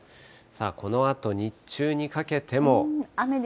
このあと日中にかけても。